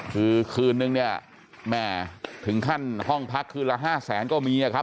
คือคืนนึงเนี่ยแม่ถึงขั้นห้องพักคืนละ๕แสนก็มีครับ